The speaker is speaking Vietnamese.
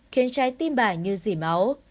khiến trái tim bà như dì máu